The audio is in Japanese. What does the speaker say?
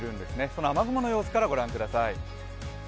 その雨雲の様子から御覧ください。